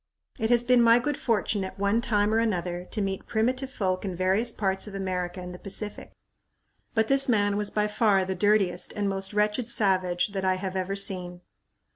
It has been my good fortune at one time or another to meet primitive folk in various parts of America and the Pacific, but this man was by far the dirtiest and most wretched savage that I have ever seen.